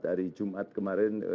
dari jumat kemarin